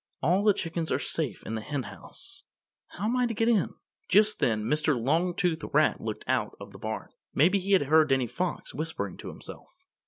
"All the chickens are safe in the Henhouse; how am I to get in?" Just then Mr. Longtooth Rat looked out of the barn. Maybe he had heard Danny Fox whispering to himself.